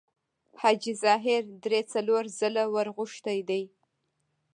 حاجي ظاهر درې څلور ځله ورغوښتی دی.